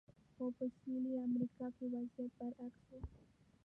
خو په سویلي امریکا کې وضعیت برعکس و.